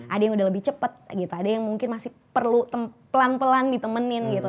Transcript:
ada yang udah lebih cepet gitu ada yang mungkin masih perlu pelan pelan ditemenin gitu